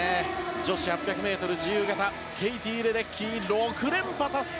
女子８００ｍ自由形ケイティ・レデッキー６連覇達成。